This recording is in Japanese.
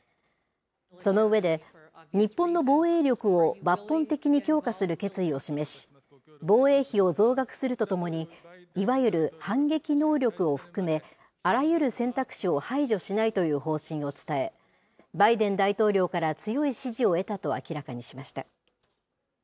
その上で、日本の防衛力を抜本的に強化する決意を示し、防衛費を増額するとともに、いわゆる反撃能力を含め、あらゆる選択肢を排除しないという方針を伝え、バイデン大統領から強い支持を得たと明らかにしました。